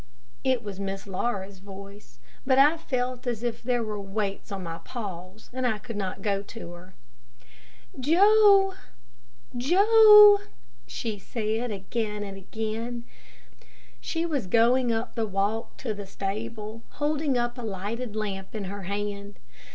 It was Miss Laura's voice, but I felt as if there were weights on my paws, and I could not go to her. "Joe! Joe!" she said, again. She was going up the walk to the stable, holding up a lighted lamp in her hand.